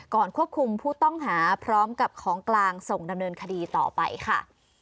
ควบคุมผู้ต้องหาพร้อมกับของกลางส่งดำเนินคดีต่อไปค่ะ